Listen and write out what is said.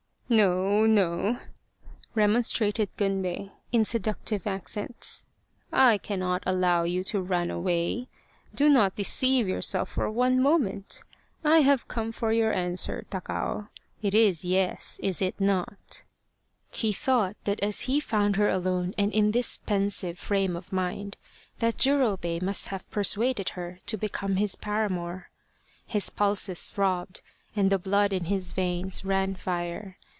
" No, no," remonstrated Gunbei in seductive ac cents, " I cannot allow you to run away do not de ceive yourself for one moment. I have come for your answer, Takao. It is ' Yes,' is it not ?" 47 The Quest of the Sword He thought that as he found her alone and in this pensive frame of mind that Jurobei must have per suaded her to become his paramour. His pulses throbbed and the blood in his veins ran fire.